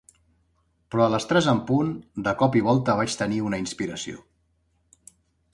Però a les tres en punt, de cop i volta vaig tenir una inspiració.